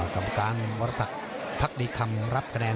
กลางวันศักดิ์พักดีคำรับกระดาษ